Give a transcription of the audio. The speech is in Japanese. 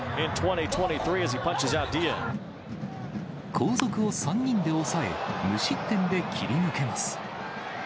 後続を３人で抑え、無失点で切り抜けます。